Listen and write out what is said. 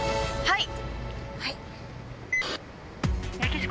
はい。